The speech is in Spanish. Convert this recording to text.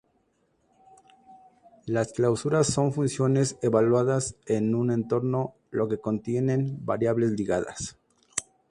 Las clausuras son funciones evaluadas en un entorno que contienen variables ligadas.